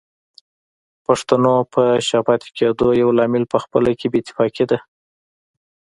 پښتنو په شا پاتې کېدلو يو لامل پخپله کې بې اتفاقي ده